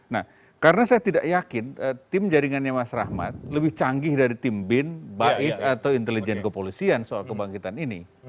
nah karena saya tidak yakin tim jaringannya mas rahmat lebih canggih dari tim bin bais atau intelijen kepolisian soal kebangkitan ini